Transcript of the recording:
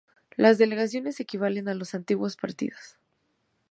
Las delegaciones equivalen a los antiguos partidos.